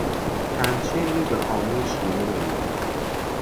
چند شعری به خامهی شیرین او